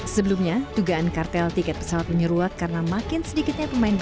sebelumnya dugaan kartel tiket pesawat menyeruak karena makin sedikitnya pemain